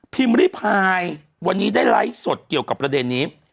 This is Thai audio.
ริพายวันนี้ได้ไลฟ์สดเกี่ยวกับประเด็นนี้